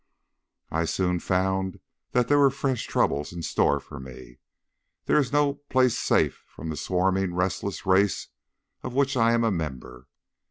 I soon found that there were fresh troubles in store for me. There is no place safe from the swarming, restless race of which I am a member.